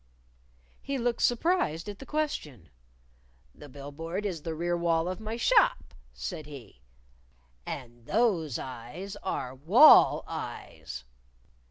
He looked surprised at the question. "The bill board is the rear wall of my shop," said he. "And those eyes are wall eyes."